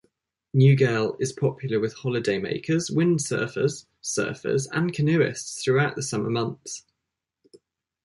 Newgale is popular with holiday makers, windsurfers, surfers and canoeists throughout the summer months.